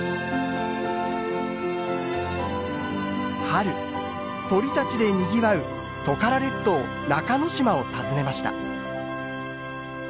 春鳥たちでにぎわうトカラ列島中之島を訪ねました。